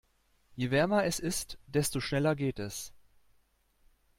Je wärmer es ist, desto schneller geht es.